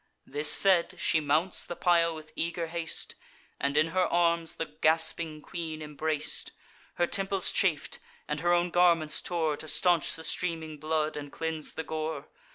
This said, she mounts the pile with eager haste, And in her arms the gasping queen embrac'd; Her temples chaf'd; and her own garments tore, To stanch the streaming blood, and cleanse the gore.